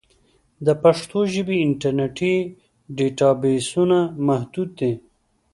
د پښتو ژبې انټرنیټي ډیټابېسونه محدود دي.